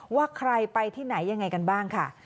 ว่าใครไปที่ไหนยังไงกันบ้างค่ะ